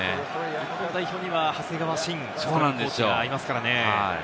日本代表には長谷川慎コーチがいますからね。